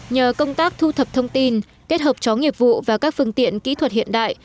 nhờ công tác thu thập thông tin kết hợp chó nghiệp vụ và các phương tiện kỹ thuật hiện đại